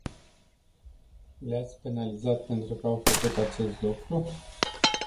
Le-ați penalizat pentru că au făcut acest lucru?